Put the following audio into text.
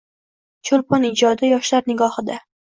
Choʻlpon ijodi – yoshlar nigohida